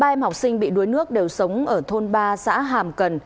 ba em học sinh bị đuối nước đều sống ở thôn ba xã hàm cần